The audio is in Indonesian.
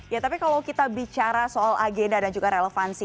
ya tapi kalau kita bicara soal agenda dan juga relevansi